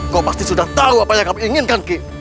kau pasti sudah tahu apa yang kami inginkan ki